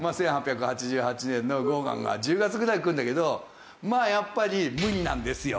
１８８８年のゴーギャンが１０月ぐらいに来るんだけどまあやっぱり無理なんですよ